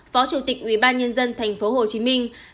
phó chủ tịch ubnd tp hcm